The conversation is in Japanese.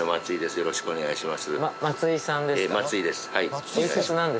よろしくお願いします